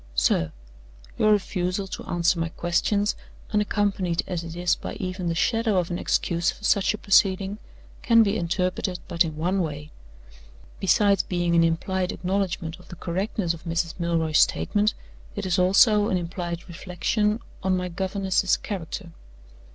"SIR Your refusal to answer my questions, unaccompanied as it is by even the shadow of an excuse for such a proceeding, can be interpreted but in one way. Besides being an implied acknowledgment of the correctness of Mrs. Milroy's statement, it is also an implied reflection on my governess's character.